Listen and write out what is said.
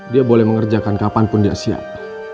dia boleh mengerjakan kapanpun dia siap